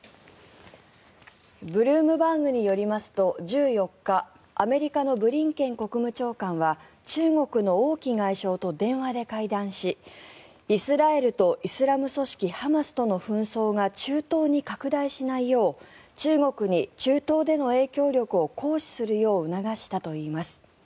ブルームバーグによりますと１４日アメリカのブリンケン国務長官は中国の王毅外相と電話で会談しイスラエルとイスラム組織ハマスとの紛争が中東に拡大しないよう中国に中東での影響力を行使するよう促したといいます。